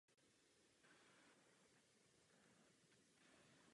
Obnova vozového parku je zajišťována koupí zcela nových vlaků domácí produkce.